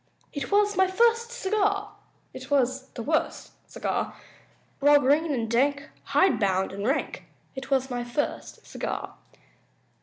It was my first cigar! It was the worst cigar! Raw, green and dank, hide bound and rank It was my first cigar!